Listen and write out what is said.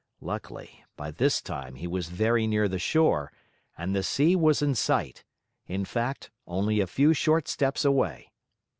Luckily, by this time, he was very near the shore, and the sea was in sight; in fact, only a few short steps away.